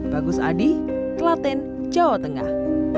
bagus adi klaten jawa tengah